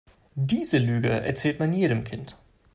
Diese Lüge erzählt man jedem Kind.